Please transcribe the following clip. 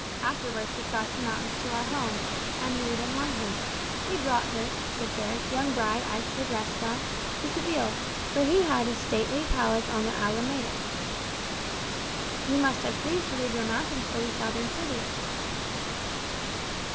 Afterwards he crossed the mountains to our home, and wooed and won her. He brought her, the fairest young bride eyes could rest on, to Seville, where he had a stately palace on the Alameda." "You must have grieved to leave your mountains for the southern city."